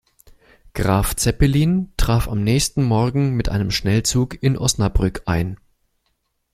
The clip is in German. Graf Zeppelin traf am nächsten Morgen mit einem Schnellzug in Osnabrück ein.